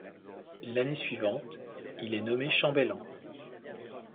L'année suivante, il est nommé chambellan.